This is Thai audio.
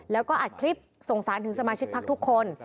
แล้วก็อัดคลิบทรงอย่างถึงสมาชิกพรรคทุกคน